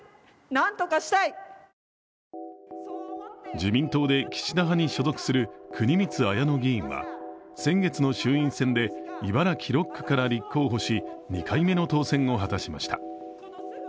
自民党で岸田派に所属する国光文乃議員は先月の衆院選で茨城６区から立候補し２回目の当選を果たしました。